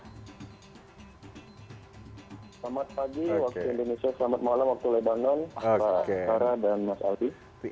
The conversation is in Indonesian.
selamat pagi waktu indonesia selamat malam waktu lebanon pak sarah dan mas aldi